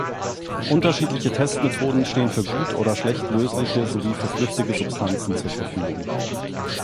Unterschiedliche Testmethoden stehen für gut oder schlecht lösliche sowie für flüchtige Substanzen zur Verfügung.